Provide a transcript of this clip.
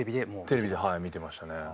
テレビで見てましたね。